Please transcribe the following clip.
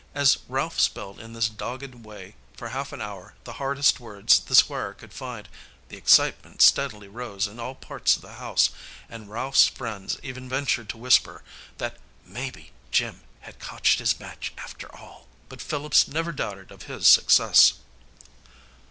As Ralph spelled in this dogged way for half an hour the hardest words the Squire could find, the excitement steadily rose in all parts of the house, and Ralph's friends even ventured to whisper that "maybe Jim had cotched his match, after all!" But Phillips never doubted of his success.